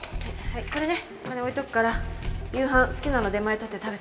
これねお金置いておくから夕飯好きなの出前取って食べてね。